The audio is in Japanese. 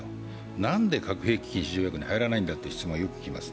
なんで核兵器禁止条約に入らないんだと質問をよく見ます。